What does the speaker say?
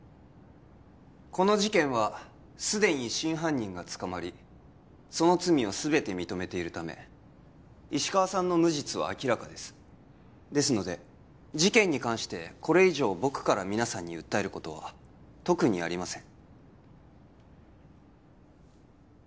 この事件はすでに真犯人が捕まりその罪を全て認めているため石川さんの無実は明らかですですので事件に関してこれ以上僕から皆さんに訴えることは特にありません